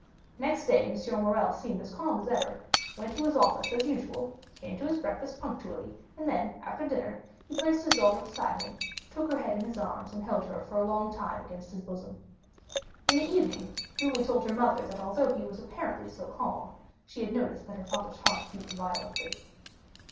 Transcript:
Next day M. Morrel seemed as calm as ever, went into his office as usual, came to his breakfast punctually, and then, after dinner, he placed his daughter beside him, took her head in his arms, and held her for a long time against his bosom. In the evening, Julie told her mother, that although he was apparently so calm, she had noticed that her father's heart beat violently.